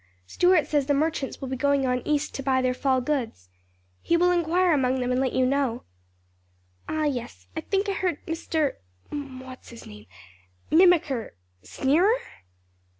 "Stuart says the merchants will be going on East to buy their fall goods. He will inquire among them and let you know." "Ah yes; I think I heard Mr what's his name? Mimicker? Sneerer?"